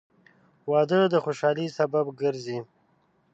• واده د خوشحالۍ سبب ګرځي.